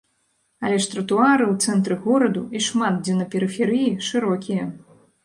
Але ж тратуары ў цэнтры гораду і шмат дзе на перыферыі шырокія.